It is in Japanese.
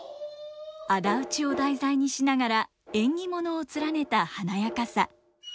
仇討ちを題材にしながら縁起物を連ねた華やかさ。